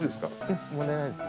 ええ問題ないです。